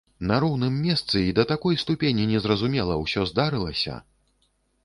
На роўным месцы і да такой ступені незразумела ўсё здарылася!